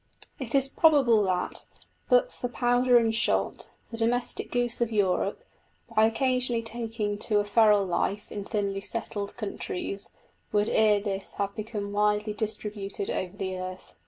It is probable that, but for powder and shot, the domestic goose of Europe, by occasionally taking to a feral life in thinly settled countries, would ere this have become widely distributed over the earth.